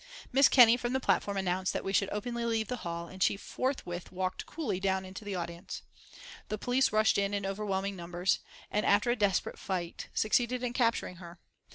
Miss Kenney, from the platform, announced that we should openly leave the hall, and she forthwith walked coolly down into the audience. The police rushed in in overwhelming numbers, and after a desperate fight, succeeded in capturing her.